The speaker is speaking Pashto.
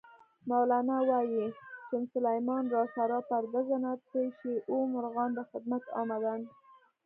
مولانا وایي: "چون سلیمان را سرا پرده زدند، پیشِ او مرغان به خدمت آمدند".